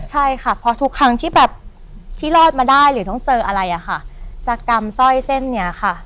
ใช่ค่ะเพราะทุกครั้งที่แบบที่รอดมาได้หรือต้องเจออะไรอ่ะค่ะจะกำสร้อยเส้นนี้ค่ะ